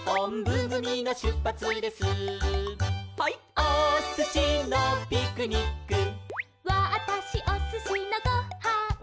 「おすしのピクニック」「わたしおすしのご・は・ん」